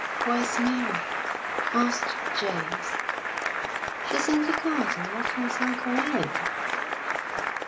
"Where's Mary?" asked James. "She's in the garden, walking with Uncle William."